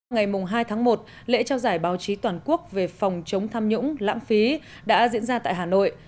ngày hai tháng một lễ trao giải báo chí toàn quốc về phòng chống tham nhũng lãng phí đã diễn ra tại hà nội